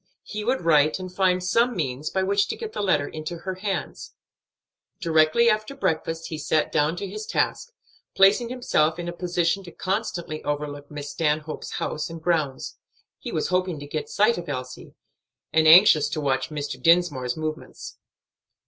He would write and find some means by which to get the letter into her hands. Directly after breakfast he sat down to his task, placing himself in a position to constantly overlook Miss Stanhope's house and grounds. He was hoping to get sight of Elsie, and anxious to watch Mr. Dinsmore's movements.